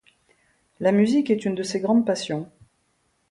La musique est une de ses grandes passions.